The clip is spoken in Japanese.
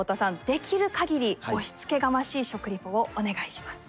できるかぎりおしつけがましい食リポをお願いします。